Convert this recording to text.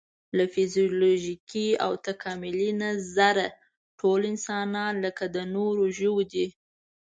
له فزیولوژیکي او تکاملي نظره ټول انسانان لکه د نورو ژوو دي.